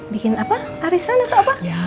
bikin apa arisan atau apa